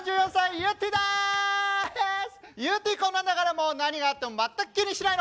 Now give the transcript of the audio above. ゆってぃこんなんだからもう何があっても全く気にしないの。